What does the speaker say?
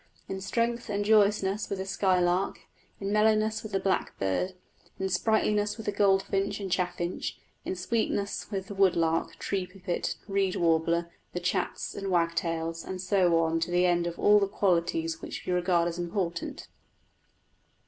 in strength and joyousness with the skylark; in mellowness with the blackbird; in sprightliness with the goldfinch and chaffinch; in sweetness with the wood lark, tree pipit, reed warbler, the chats and wagtails, and so on to the end of all the qualities which we regard as important.